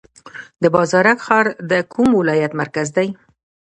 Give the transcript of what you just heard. بازارک ښار د کوم ولایت مرکز دی؟